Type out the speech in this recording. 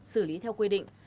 xử lý theo quy định